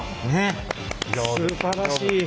すばらしい。